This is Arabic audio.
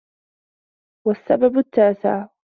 وَالسَّبَبُ التَّاسِعُ